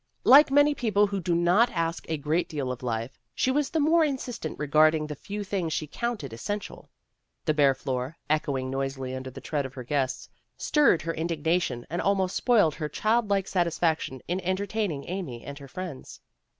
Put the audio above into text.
Like many people who do not ask a great deal of life, she was the more insis tent regarding the few things she counted es sential. The bare floor, echoing noisily under the tread of her guests, stirred her indigna tion and almost spoiled her childlike satisfac tion in entertaining Amy and her friends.